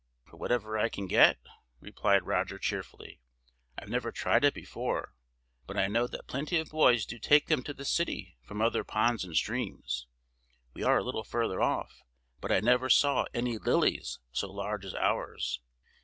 "For whatever I can get," replied Roger, cheerfully. "I've never tried it before, but I know that plenty of boys do take them to the city from other ponds and streams. We are a little farther off, but I never saw any lilies so large as ours."